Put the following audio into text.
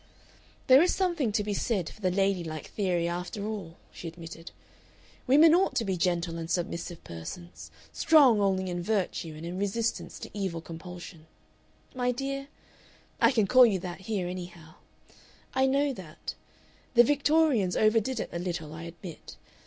"There is something to be said for the lady like theory after all," she admitted. "Women ought to be gentle and submissive persons, strong only in virtue and in resistance to evil compulsion. My dear I can call you that here, anyhow I know that. The Victorians over did it a little, I admit.